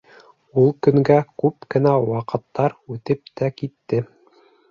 Ул көнгә күп кенә ваҡыттар үтеп тә китте.